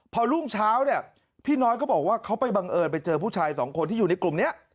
พอรุ่งเช้าเนี่ยพี่น้อยก็บอกว่าเขาไปบังเอิญไปเจอผู้ชายสองคนที่อยู่ในกลุ่มนี้